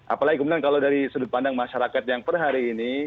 apalagi kemudian kalau dari sudut pandang masyarakat yang per hari ini